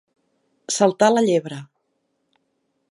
Saltar la llebre.